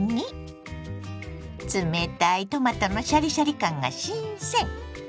冷たいトマトのシャリシャリ感が新鮮！